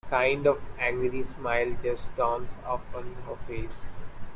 A kind of angry smile just dawns upon her face.